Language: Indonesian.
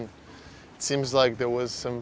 tapi semoga kami punya hotel